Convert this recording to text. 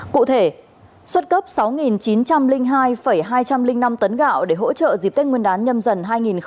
cụ thể xuất cấp sáu chín trăm linh hai hai trăm linh năm tấn gạo để hỗ trợ dịp tết nguyên đán nhâm dần hai nghìn hai mươi